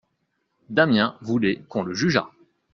Damiens voulait qu'on le jugeât.